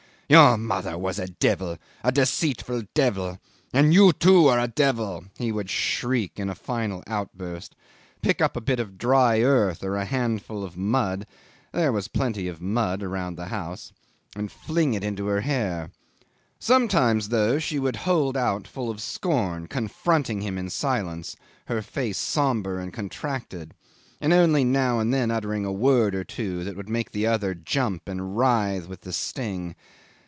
"Your mother was a devil, a deceitful devil and you too are a devil," he would shriek in a final outburst, pick up a bit of dry earth or a handful of mud (there was plenty of mud around the house), and fling it into her hair. Sometimes, though, she would hold out full of scorn, confronting him in silence, her face sombre and contracted, and only now and then uttering a word or two that would make the other jump and writhe with the sting.